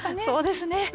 そうですね。